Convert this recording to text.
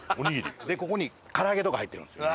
ここに唐揚げとか入ってるんですよ。